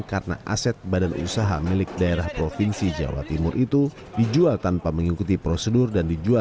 karena aset badan usaha milik daerah provinsi jawa timur itu dijual tanpa mengikuti prosedur dan dijualan